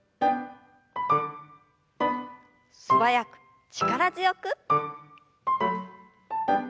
素早く力強く。